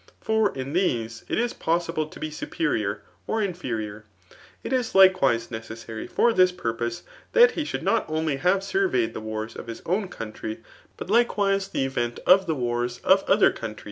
For in these, it is possible to be superior or infe rior It is likewise necessary for rhis purpose, that he aboaid not ^y have sarveyed the wais of his own coun try, but likewise tfap eT«At of 4he wars of other countries.